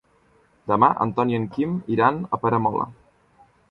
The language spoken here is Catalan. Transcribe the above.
Demà en Tom i en Quim iran a Peramola.